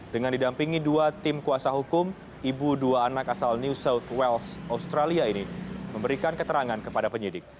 dengan didampingi dua tim kuasa hukum ibu dua anak asal new south wales australia ini memberikan keterangan kepada penyidik